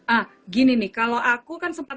ah gini nih kalau aku kan sempat